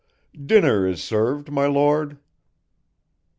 "Dinner is served, my Lord."